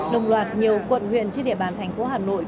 đồng loạt nhiều quận huyện trên địa bàn thành phố hà nội